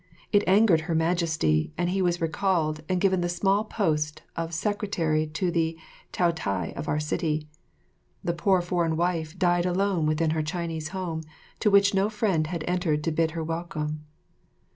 It angered Her Majesty and he was recalled and given the small post of secretary to the Taotai of our city. The poor foreign wife died alone within her Chinese home, into which no friend had entered to bid her welcome.